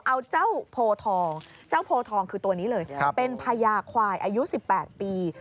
เอาเจ้าโพทองเจ้าโพทองคือตัวนี้เลยเป็นพญาควายอายุ๑๘ปี